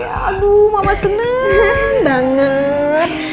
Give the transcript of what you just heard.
aduh mama seneng banget